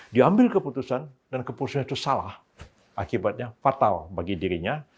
diambil keputusan dan keputusan itu salah akibatnya fatal bagi dirinya